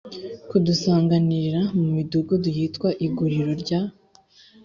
kudusanganirira mu midugudu yitwa iguriro rya